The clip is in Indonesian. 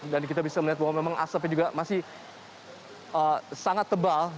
dan kita bisa melihat bahwa memang asapnya juga masih sangat tebal